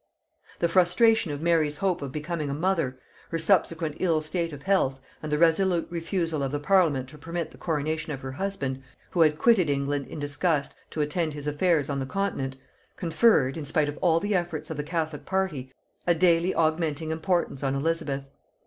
The frustration of Mary's hope of becoming a mother, her subsequent ill state of health, and the resolute refusal of the parliament to permit the coronation of her husband, who had quitted England in disgust to attend his affairs on the continent, conferred, in spite of all the efforts of the catholic party, a daily augmenting importance on Elizabeth.